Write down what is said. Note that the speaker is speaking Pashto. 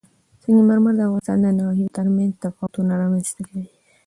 سنگ مرمر د افغانستان د ناحیو ترمنځ تفاوتونه رامنځ ته کوي.